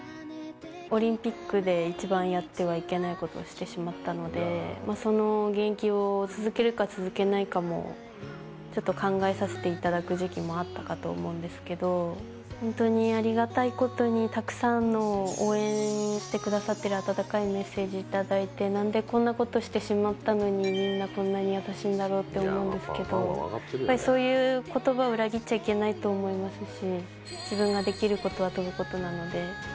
オリンピックで一番やってはいけないことをしてしまったので、その現役を続けるか続けないかも、ちょっと考えさせていただく時期もあったかと思うんですけど、本当にありがたいことに、たくさんの応援してくださってる温かいメッセージ頂いて、なんでこんなことしてしまったのに、みんなこんなに優しいんだろうって思うんですけど、やっぱりそういうことばを裏切っちゃいけないと思いますし、自分ができることは飛ぶことなので。